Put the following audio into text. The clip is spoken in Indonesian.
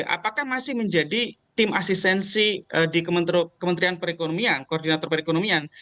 apakah masih menjadi tim asistensi di kementerian perekonomian